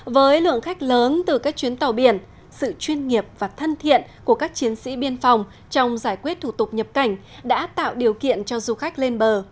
với lượng khách lớn từ các chuyến tàu biển sự chuyên nghiệp và thân thiện của các chiến sĩ biên phòng trong giải quyết thủ tục nhập cảnh đã tạo điều kiện cho du khách lên bờ